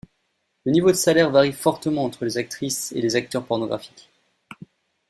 Le niveau de salaire varie fortement entre les actrices et les acteurs pornographiques.